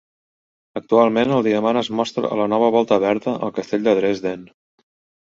Actualment, el diamant es mostra a la "Nova Volta Verda" al Castell de Dresden.